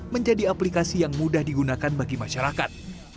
menjadi aplikasi yang mudah digunakan bagi masyarakat